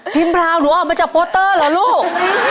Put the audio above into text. พราวหนูออกมาจากโปสเตอร์เหรอลูก